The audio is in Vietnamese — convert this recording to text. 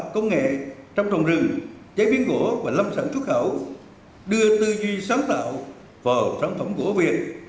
công nghệ trong trồng rừng chế biến gỗ và lâm sản xuất khẩu đưa tư duy sáng tạo vào sản phẩm gỗ việt